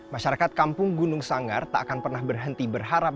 masyarakat kampung gunung sanggar tak akan pernah berhenti berharap